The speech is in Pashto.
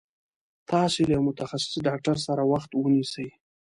تاسو له يوه متخصص ډاکټر سره وخت ونيسي